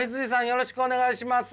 よろしくお願いします。